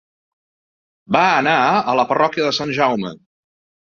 Va anar a la parròquia de Sant Jaume.